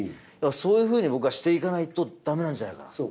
そういうふうにしていかないと駄目なんじゃないかなと。